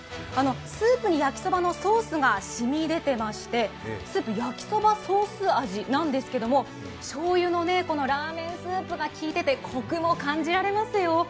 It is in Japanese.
スープに焼きそばのソースが染み出ていましてスープは、やきそばスープ味なんですけれどもしょうゆのラーメンスープがきいていて、コクも感じられますよ。